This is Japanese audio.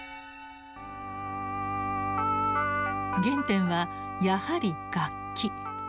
原点はやはり楽器。